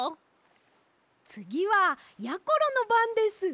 つぎはやころのばんです。